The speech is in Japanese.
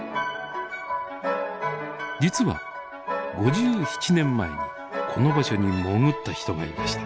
実は５７年前にこの場所に潜った人がいました。